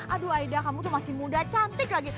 aduh aida kamu tuh masih muda cantik lagi